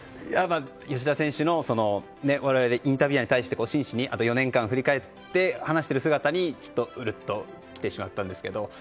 吉田選手の我々、インタビュアーに対して真摯に、４年間振り返って話している姿に、ちょっとウルッときてしまったんですけど。